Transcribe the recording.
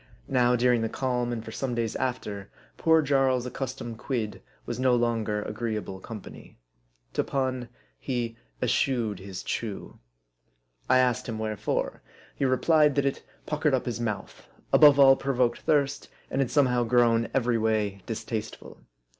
Now during the calm, and for some days after, poor Jarl's ac customed quid was no longer agreeable company. To pun : he eschewed his chew. I asked him wherefore. He re plied that it puckered up his mouth, above all provoked thirst, and had somehow grown every way distasteful.